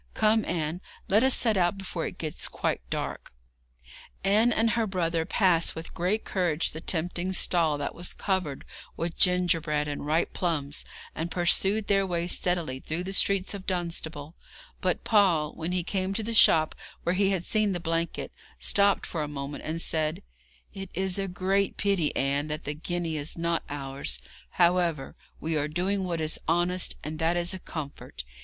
Come, Anne, let us set out before it gets quite dark.' Anne and her brother passed with great courage the tempting stall that was covered with gingerbread and ripe plums, and pursued their way steadily through the streets of Dunstable; but Paul, when he came to the shop where he had seen the blanket, stopped for a moment, and said: 'It is a great pity, Anne, that the guinea is not ours. However, we are doing what is honest, and that is a comfort.